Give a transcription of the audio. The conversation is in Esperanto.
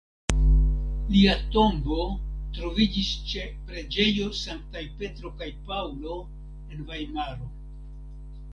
Lia tombo troviĝis ĉe Preĝejo Sanktaj Petro kaj Paŭlo en Vajmaro.